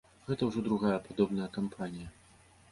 Гэта ўжо другая падобная кампанія.